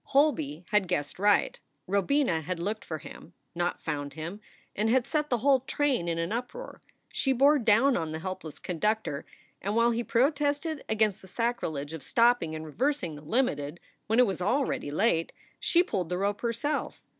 1 Holby had guessed right. Robina had looked for him, not found him, and had set the whole train in an uproar. She bore down on the helpless conductor, and while he protested against the sacrilege of stopping and reversing the Limited when it was already late, she pulled the rope herself.